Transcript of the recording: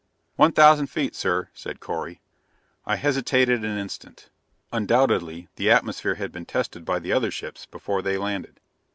"One thousand feet, sir," said Correy. I hesitated an instant. Undoubtedly the atmosphere had been tested by the other ships before they landed.